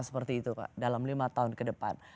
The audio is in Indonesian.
seperti itu pak dalam lima tahun ke depan